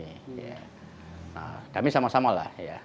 nah kami sama samalah ya